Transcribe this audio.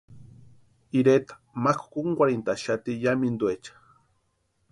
Ireta mákʼu kúnkwarhentʼaxati yámintuecha.